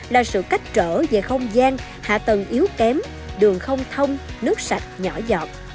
là sự cách trở về không gian hạ tầng yếu kém đường không thông nước sạch nhỏ dọn